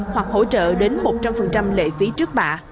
hoặc hỗ trợ đến một trăm linh lệ phí trước bạ